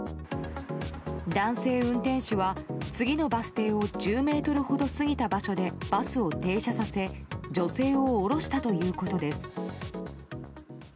男性運転手は次のバス停を１０ｍほど過ぎた場所でバスを停車させ女性を降ろしたということです。